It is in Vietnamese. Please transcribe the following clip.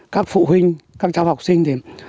các phụ huynh các cháu học sinh